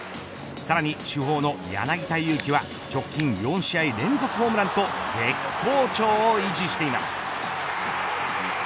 さらに主砲の柳田悠岐は直近４試合連続ホームランと絶好調を維持しています。